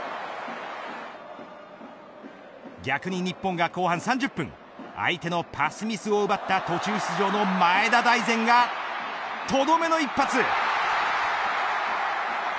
逆に日本が後半３０分相手のパスミスを奪った途中出場の前田大然がとどめの一発。